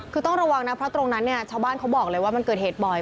คือต้องระวังนะเพราะตรงนั้นเนี่ยชาวบ้านเขาบอกเลยว่ามันเกิดเหตุบ่อย